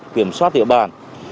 kiểm soát địa bàn